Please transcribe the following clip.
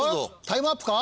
タイムアップか？